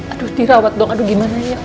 aduh dirawat dong aduh gimana ya